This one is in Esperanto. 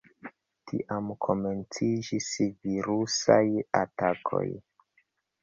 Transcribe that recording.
Tiam komenciĝis virusaj atakoj.